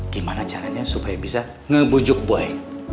gimana caranya supaya bisa ngebujuk buaya